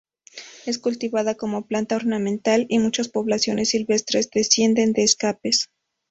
Es cultivada como planta ornamental y muchas poblaciones silvestres descienden de escapes.